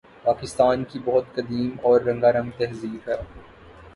پاکستان کی بہت قدیم اور رنگارنگ تہذیب ہے